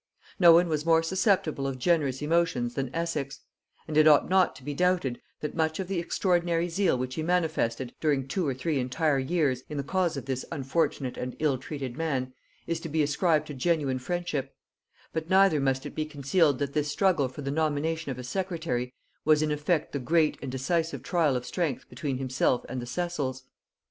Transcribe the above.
No one was more susceptible of generous emotions than Essex; and it ought not to be doubted that much of the extraordinary zeal which he manifested, during two or three entire years, in the cause of this unfortunate and ill treated man, is to be ascribed to genuine friendship: but neither must it be concealed that this struggle for the nomination of a secretary was in effect the great and decisive trial of strength between himself and the Cecils.